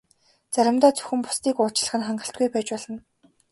Заримдаа зөвхөн бусдыг уучлах нь хангалтгүй байж болно.